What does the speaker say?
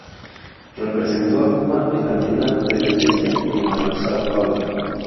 Representó a Cuba en la Bienal de Venecia y en la de São Paulo.